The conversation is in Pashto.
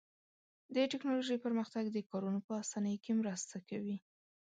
د تکنالوژۍ پرمختګ د کارونو په آسانۍ کې مرسته کوي.